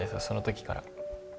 その時から。